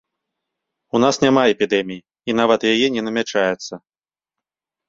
У нас няма эпідэміі і нават яе не намячаецца.